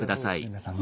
皆さんね。